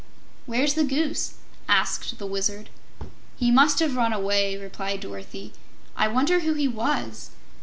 "Where's the Goose?" asked the Wizard. "He must have run away," replied Dorothy. "I wonder who he was?"